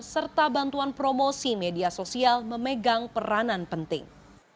serta bantuan promosi media sosial memegang peranan penting